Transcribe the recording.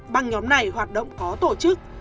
băng nhóm này hoạt động có tổ chức